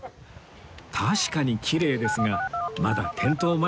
確かにきれいですがまだ点灯前です